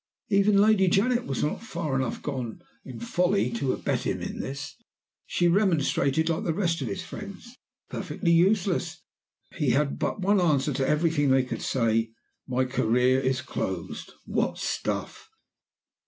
Even Lady Janet was not far enough gone in folly to abet him in this. She remonstrated, like the rest of his friends. Perfectly useless! He had but one answer to everything they could say: 'My career is closed.' What stuff!